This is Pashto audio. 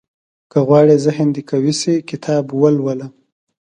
• که غواړې ذهن دې قوي شي، کتاب ولوله.